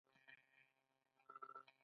ایا خدای دې تاسو خوشحاله لري؟